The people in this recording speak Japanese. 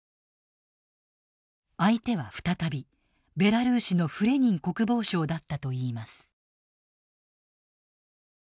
相手は再びベラルーシのフレニン国防相だったといいます。